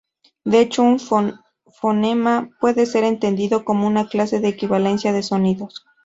De hecho un fonema puede ser entendido como una clase de equivalencia de sonidos.